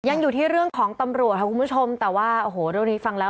ยังอยู่ที่เรื่องของตำรวจค่ะคุณผู้ชมแต่ว่าโอ้โหเรื่องนี้ฟังแล้ว